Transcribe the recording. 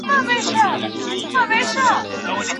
ذهنی فشار رواني او فزیکي روغتیا ته تاوان رسوي.